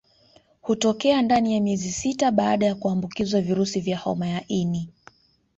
Hutokea ndani ya miezi sita baada kuambukizwa virusi vya homa ya ini